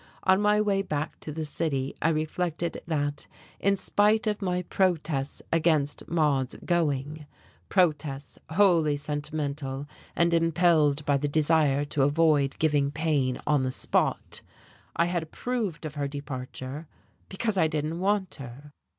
On my way back to the city I reflected that, in spite of my protests against Maude's going protests wholly sentimental and impelled by the desire to avoid giving pain on the spot I had approved of her departure because I didn't want her.